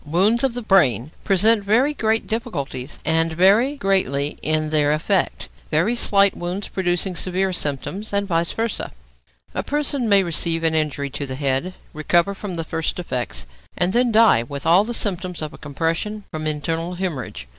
Wounds of the brain present very great difficulties, and vary greatly in their effect, very slight wounds producing severe symptoms, and vice versâ. A person may receive an injury to the head, recover from the first effects, and then die with all the symptoms of compression from internal hæmorrhage.